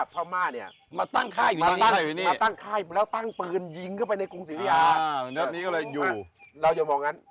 พี่เอกส์แต่ไม่เผาวัดนี้